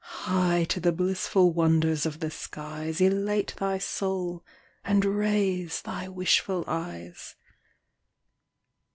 High to the blissful wonders of the skies Elate thy soul, and raise thy wishful eyes.